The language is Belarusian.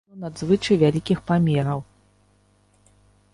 У самазвале ўсё надзвычай вялікіх памераў.